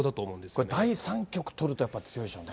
これ、第３局取ると、やっぱり強いでしょうね。